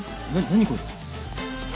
何これ？